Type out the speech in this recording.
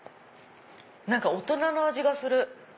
大人の味がする。